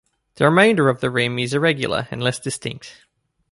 The remainder of the rim is irregular and less distinct.